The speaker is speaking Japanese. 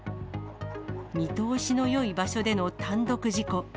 見通しのよい場所での単独事故。